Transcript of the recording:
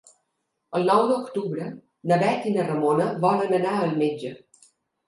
El nou d'octubre na Bet i na Ramona volen anar al metge.